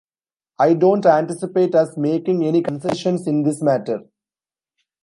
I don't anticipate us making any concessions in this matter.